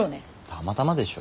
たまたまでしょ。